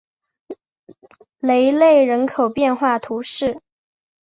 内雷人口变化图示